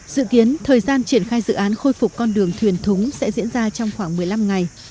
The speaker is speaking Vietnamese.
dự kiến thời gian triển khai dự án khôi phục con đường thuyền thúng sẽ diễn ra trong khoảng một mươi năm ngày